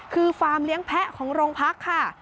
คือฟาร์มเลี้ยงแพะของโรงพักค่ะ